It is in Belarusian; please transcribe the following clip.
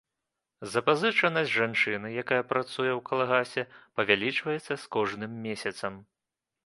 Запазычанасць жанчыны, якая працуе ў калгасе, павялічваецца з кожным месяцам.